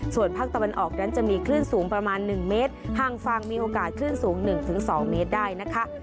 ส่วนภาคตะวันออกนั้นจะมีคลื่นสูงประมาณ๑เมตรห่างฝั่งมีโอกาสคลื่นสูง๑๒เมตรได้นะคะ